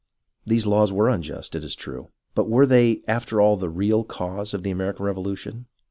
These laws were unjust, it is true, but were they, after all, the real cause of the American Revolution